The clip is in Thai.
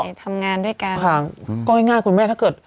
ทำงานด้วยกันค่ะก็ง่ายง่ายคุณแม่ถ้าเกิด